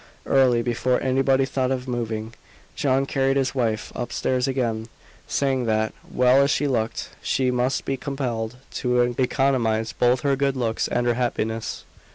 Early, before anybody thought of moving, John carried his wife up stairs again, saying that, well as she looked, she must be compelled to economise both her good looks and her happiness.